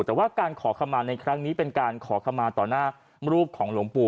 แต่ว่าการขอขมาในครั้งนี้เป็นการขอขมาต่อหน้ารูปของหลวงปู่